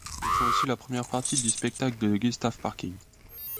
Ils font aussi la première partie du spectacle de Gustave Parking.